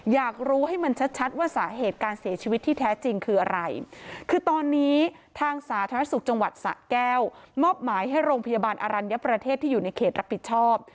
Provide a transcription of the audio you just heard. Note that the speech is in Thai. อยากรู้ให้มันชัดว่าสาเหตุการเสียชีวิตที่แท้จริงคืออะไรคือตอนนี้ทางสาธารณสุขจังหวัดสะแก้วมอบหมายให้โรงพยาบาลอรัญญประเทศที่อยู่ในเขตรับผิดชอบ